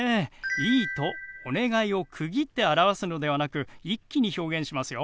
「いい」と「お願い」を区切って表すのではなく一気に表現しますよ。